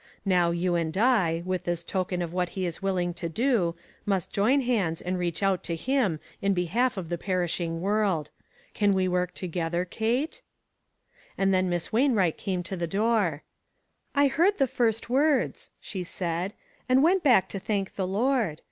Now you and I, with this token of what he is willing to do, must join hands and reach out to Him in behalf of the perishing world. Can we work together, Kate ?" And then Miss Wainwright came to the door. "I heard the first words," she said, "and went back to thank the Lord.